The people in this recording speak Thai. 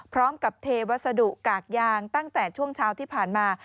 พร้อมกับเทวัสดุกากยางตั้งแต่ช่วงเช้าที่ผ่านมา